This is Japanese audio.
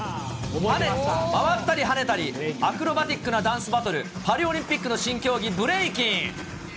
回ったり跳ねたり、アクロバティックなダンスバトル、パリオリンピックの新競技、ブレイキン。